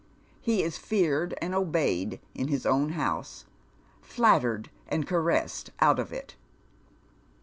He is feared and obeyed in hia own house, flattered and caressed out of it.